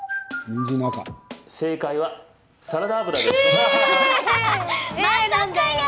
正解は、サラダ油です。